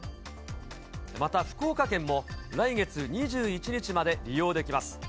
また福岡県も、来月２１日まで利用できます。